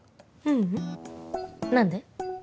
ううん何で？